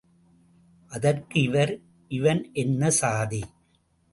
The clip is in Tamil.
அதற்கு அவர், இவன் என்ன சாதி?